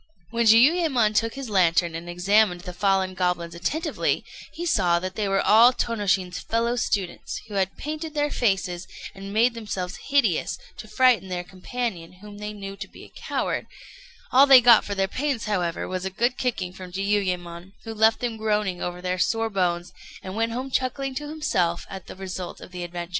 When Jiuyémon took his lantern and examined the fallen goblins attentively, he saw that they were all Tônoshin's fellow students, who had painted their faces, and made themselves hideous, to frighten their companion, whom they knew to be a coward: all they got for their pains, however, was a good kicking from Jiuyémon, who left them groaning over their sore bones, and went home chuckling to himself at the result of the adventure.